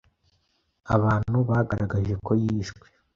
Abantu bagaragaje ko yishwe,